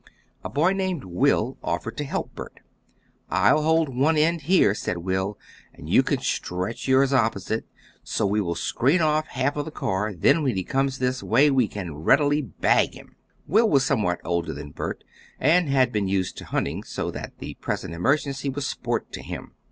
A boy named Will offered to help Bert. "I'll hold one end here," said Will, "and you can stretch yours opposite, so we will screen off half of the car, then when he comes this way we can readily bag him." Will was somewhat older than Bert, and had been used to hunting, so that the present emergency was sport to him.